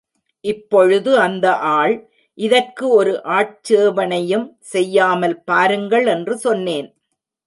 இப்பொழுது அந்த ஆள், இதற்கு ஒரு ஆட்சேபணையும் செய்யாமல் பாருங்கள் என்று சொன்னேன்.